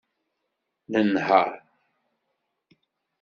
Nenheṛ.